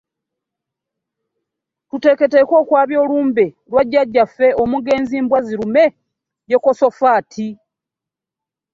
Tuteekteeka okwabya olumbe lwa jjajja ffe omugenzi mbwazirume yekosafaati.